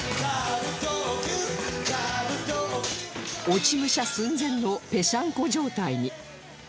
落ち武者寸前のペシャンコ状態に